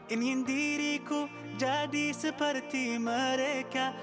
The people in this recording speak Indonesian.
ingin diriku jadi seperti mereka